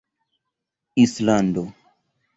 islando